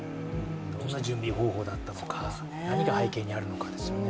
どんな準備方法だったのか、何が背景にあるのかですよね。